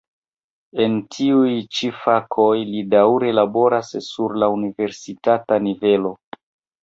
En tiuj ĉi fakoj li daŭre laboras sur la universitata nivelo.